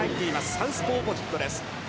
サウスポーオポジットです。